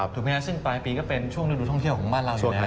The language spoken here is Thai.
ถูกไหมฮะซึ่งปลายปีก็เป็นช่วงฤดูท่องเที่ยวของบ้านเราอยู่แล้ว